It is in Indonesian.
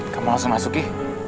kamu langsung masuk ki